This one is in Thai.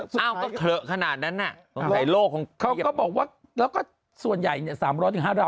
สุดท้ายขนาดนั้นนะในโลกของเขาก็บอกว่าแล้วก็ส่วนใหญ่เนี่ย๓๐๐หรือ๕๐๐